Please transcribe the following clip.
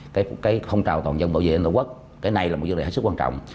cái không trào toàn dân bảo vệ nhân tổ quốc cái này là một vấn đề rất là quan trọng